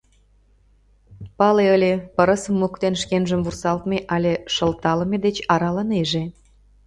Пале ыле: пырысым моктен шкенжым вурсалтме але шылталыме деч аралынеже.